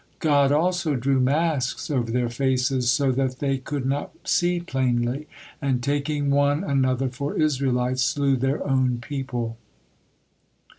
God also drew masks over their faces, so that they could not see plainly, and taking one another for Israelites, slew their own people.